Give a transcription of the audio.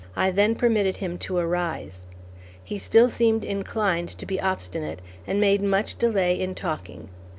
I then permitted him to arise. He still seemed inclined to be obstinate and made much delay in talking.